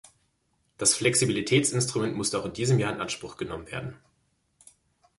Das Flexibilitätsinstrument musste auch in diesem Jahr in Anspruch genommen werden.